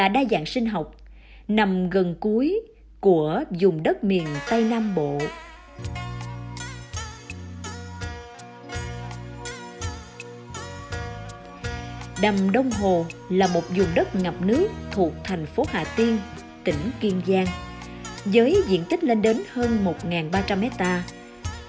đầm đông hồ là một dùng đất ngập nước thuộc thành phố hạ tiên tỉnh kiên giang với diện tích lên đến hơn một ba trăm linh hectare